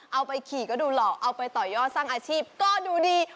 เอาไปขี่ก็ดูหล่อเอาไปต่อยอดสร้างอาชีพก็ดูดี